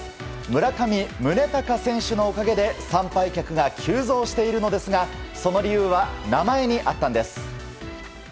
村上宗隆選手のおかげで参拝客が急増しているのですがその理由は名前にあったんです。